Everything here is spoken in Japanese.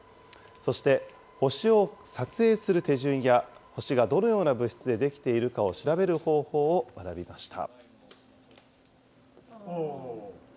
そして星を撮影する手順や、星がどのような物質で出来ているかを調べる方法を学びました。